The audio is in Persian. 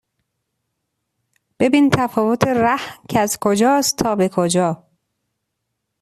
ببین تفاوت ره کز کجاست تا به کجا